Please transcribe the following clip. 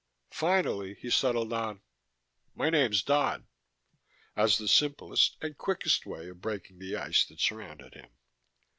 Finally he settled on: "My name's Dodd," as the simplest and quickest way of breaking the ice that surrounded him.